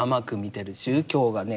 宗教がね